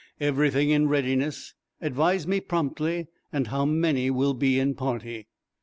Everything in readiness. Advise me promptly, and how many will be in party."